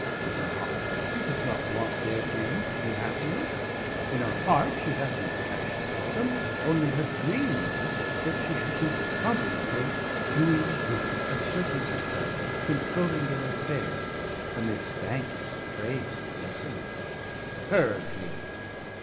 In her heart she does not want their dreams to be happier, in her heart she has no passion for them, only her dream is that she should be prominently doing good, asserting herself, controlling their affairs amidst thanks and praise and blessings. Her dream!